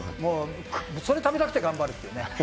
それ食べたくて頑張るっていう。